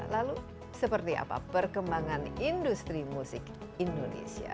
lalu seperti apa perkembangan industri musik indonesia